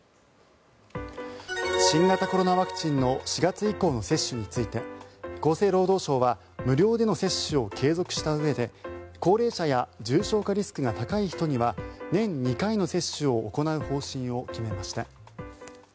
新型コロナワクチンの４月以降の接種について厚生労働省は無料での接種を継続したうえで高齢者や重症化リスクが高い人には年２回の接種を行う方針を決めました。